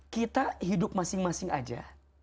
kita hidup masing masing aja